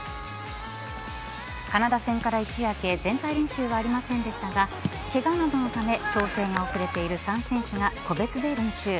カナダ戦から一夜明け全体練習はありませんでしたがケガなどのため調整が遅れている３選手が個別で練習。